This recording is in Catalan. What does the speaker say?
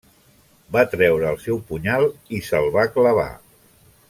Va treure el seu punyal i se'l va clavar.